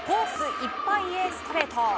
いっぱいへストレート。